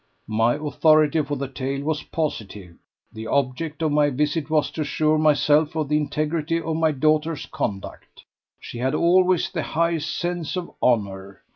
My authority for the tale was positive. The object of my visit was to assure myself of the integrity of my daughter's conduct. She had always the highest sense of honour.